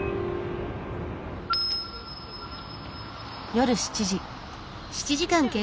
夜７時。